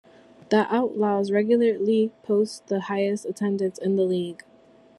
The Outlaws regularly post the highest attendance in the league.